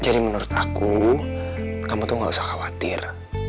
menurut aku kamu tuh gak usah khawatir